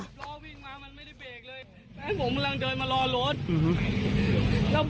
เพราะว่าวิ่งมามันไม่ได้เบรกเลยแฟนผมกำลังเดินมารอรถ